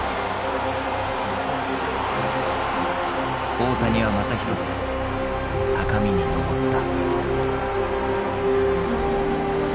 大谷はまた一つ高みにのぼった。